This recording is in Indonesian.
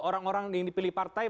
orang orang yang dipilih partai